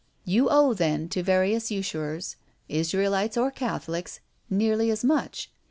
You owe, then, to various usurers, Israelites or Catholics, nearly as much.